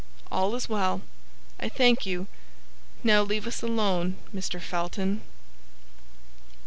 "All is well, I thank you; now leave us alone, Mr. Felton."